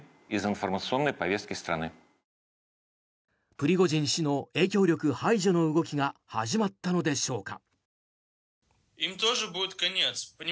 プリゴジン氏の影響力排除の動きが始まったのでしょうか。